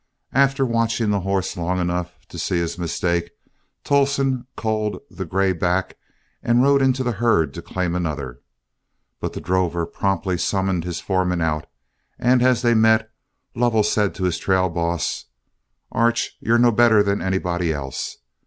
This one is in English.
After watching the horse long enough to see his mistake, Tolleston culled the gray back and rode into the herd to claim another. But the drover promptly summoned his foreman out, and, as they met, Lovell said to his trail boss, "Arch, you're no better than anybody else.